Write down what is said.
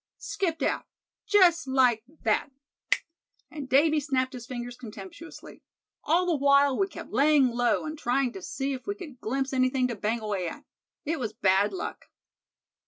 "Skipped out, just like that," and Davy, snapped his fingers contemptuously; "all the while we kept laying low, and trying to see if we could glimpse anything to bang away at. It was bad luck."